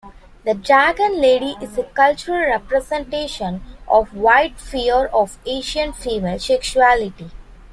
The Dragon Lady is a cultural representation of white fear of Asian female sexuality.